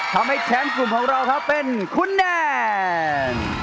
ทำให้แชมป์กลุ่มของเราครับเป็นคุณแนน